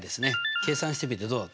計算してみてどうだった？